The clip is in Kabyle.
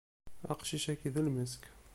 Aqcic-agi d lmesk.